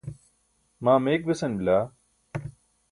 maa meyik besan bila.